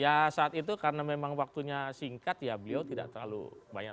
ya saat itu karena memang waktunya singkat ya beliau tidak terlalu banyak